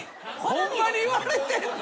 ホンマに言われてるの？